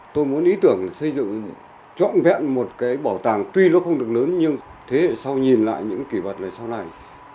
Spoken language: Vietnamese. tôi muốn ý tưởng xây dựng trọn vẹn một cái bảo tàng tuy nó không được lớn nhưng thế hệ sau nhìn lại những kỷ vật về sau này